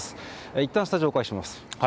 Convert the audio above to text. いったんスタジオにお返しします。